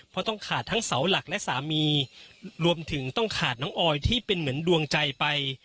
เพราะต้องขาดทั้งเสาหลักและสามีรวมถึงต้องขาดน้องออยที่เป็นเหมือนดวงใจไป